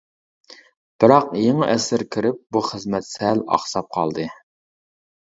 بىراق يېڭى ئەسىر كىرىپ بۇ خىزمەت سەل ئاقساپ قالدى.